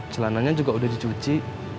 jalanannya juga udah dicuci